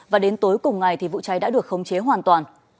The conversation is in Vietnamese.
và đến tối cùng ngày vụ cháy đã được khống chế hoàn toàn